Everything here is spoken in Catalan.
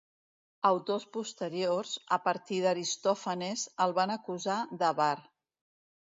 Autors posteriors, a partir d'Aristòfanes, el van acusar d'avar.